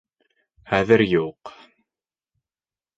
Хәҙер юҡ...